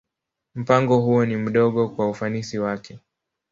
Mpango huo ni mdogo kwa ufanisi wake.